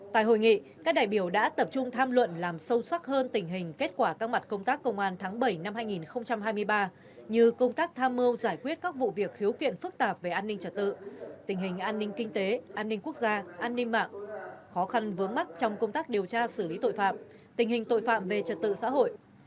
tại hội nghị các đại biểu đã tập trung tham luận làm sâu sắc hơn tình hình kết quả các mặt công tác công an tháng bảy năm hai nghìn hai mươi ba như công tác tham mưu giải quyết các vụ việc khiếu kiện phức tạp về an ninh trật tự tình hình an ninh kinh tế an ninh quốc gia an ninh mạng khó khăn vướng mắt trong công tác điều tra xử lý tội phạm tình hình tội phạm về trật tự xã hội